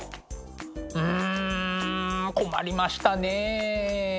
うん困りましたねえ。